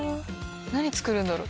何作るんだろう？